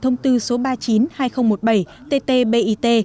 thông tư số ba trăm chín mươi hai nghìn một mươi bảy ttbit